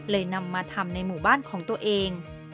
นำมาทำในหมู่บ้านของตัวเอง